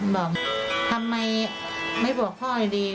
แบปทำไมไม่บอกพ่ออย่างนี้